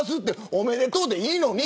おめでとうでもいいのに。